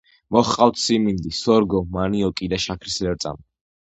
მოჰყავთ სიმინდი, სორგო, მანიოკი და შაქრის ლერწამი.